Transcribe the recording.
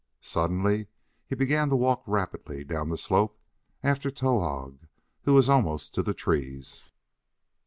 Suddenly he began to walk rapidly down the slope after Towahg who was almost to the trees.